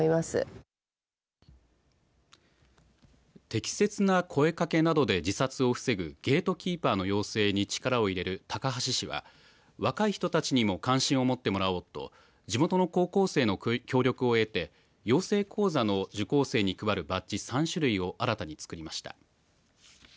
適切な声かけなどで自殺を防ぐゲートキーパーの養成に力を入れる高梁市は若い人たちにも関心をもってもらおうと地元の高校生の協力を得て養成講座の受講生に配るバッジ３種類を新たに作りました。